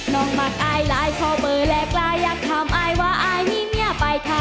น้องมักอายลายขอเบอร์แลกลายอยากถามอายว่าอายมีเมียไปค่ะ